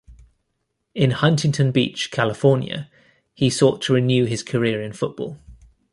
In Huntington Beach, California, he sought to renew his career in football.